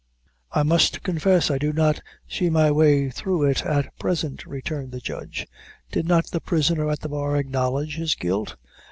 "I must confess, I do not see my way through it at present," returned the judge; "did not the prisoner at the bar acknowledge his guilt?